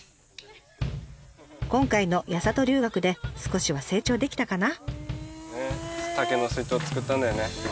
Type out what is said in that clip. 今回の八郷留学で少しは成長できたかな？